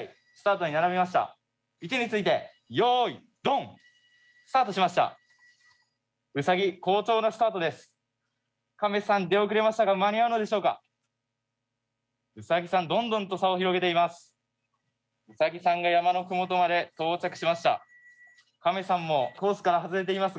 ウサギさんどんどんと差を広げています。